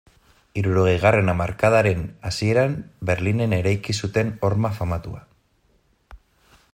Hirurogeigarren hamarkadaren hasieran Berlinen eraiki zuten horma famatua.